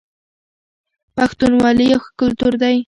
پښتونولي يو ښه کلتور دی.